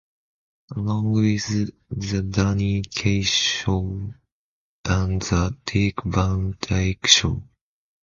Along with "The Danny Kaye Show" and "The Dick Van Dyke Show.